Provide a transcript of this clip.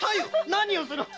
何をする！